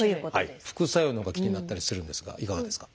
副作用のほうが気になったりするんですがいかがですか？